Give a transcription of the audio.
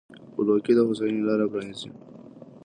خپلواکي د هوساینې لاره پرانیزي.